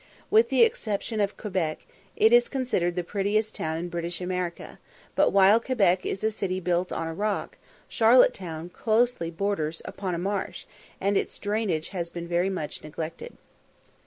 With the exception of Quebec, it is considered the prettiest town in British America; but while Quebec is a city built on a rock, Charlotte Town closely borders upon a marsh, and its drainage has been very much neglected.